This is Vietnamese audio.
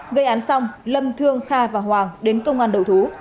gây án xong lâm thương kha và hoàng đến công an đầu thú